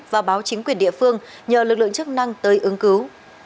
và báo chính quyền địa phương nhờ lực lượng chức năng tới ứng cứu